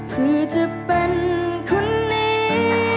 คือจะเป็นคนนี้